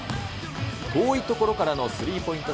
遠い所からのスリーポイント